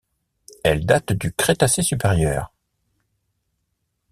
Elle date du Crétacé supérieur.